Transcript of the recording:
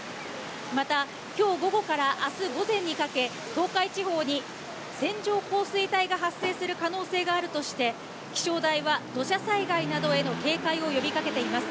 また、きょう午後からあす午前にかけ、東海地方に線状降水帯が発生する可能性があるとして、気象台は土砂災害などへの警戒を呼びかけています。